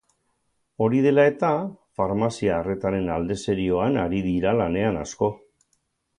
Hori dela eta, farmazia arretaren alde serioan ari dira lanean asko.